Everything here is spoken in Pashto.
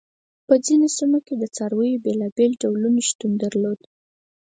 په ځینو سیمو کې د څارویو بېلابېل ډولونه شتون درلود.